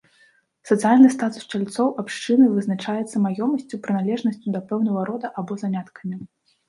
Сацыяльны статус чальцоў абшчыны вызначаецца маёмасцю, прыналежнасцю да пэўнага рода або заняткамі.